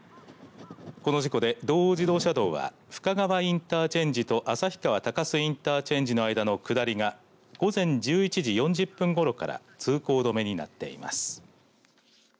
この事故で道央自動車道は深川インターチェンジと旭川鷹栖インターチェンジの間の下りが午前１１時４０分ごろから通行止めになっています。